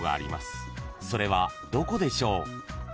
［それはどこでしょう？］